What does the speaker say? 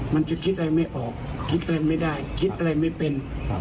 มันจะคิดอะไรไม่ออกคิดอะไรไม่ได้คิดอะไรไม่เป็น